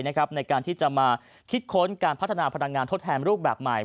ในการที่จะมาคิดค้นการพัฒนาพลังงานทดแทนรูปแบบใหม่